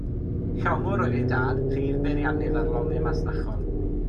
Llongwr oedd ei dad, prif beiriannydd ar longau masnachol.